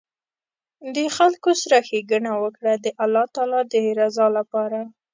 د خلکو سره ښیګڼه وکړه د الله تعالي د رضا لپاره